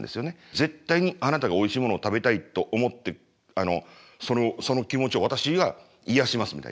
絶対にあなたがおいしいものを食べたいと思ってその気持ちを私が癒やしますみたいな。